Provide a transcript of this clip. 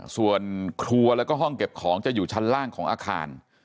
ส่วนครัวแล้วก็ห้องเก็บของจะอยู่ชั้นล่างของอาคาร